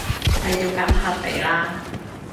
你要減下肥啦